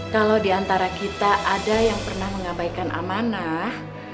kalau diantara kita ada yang pernah mengabaikan amanah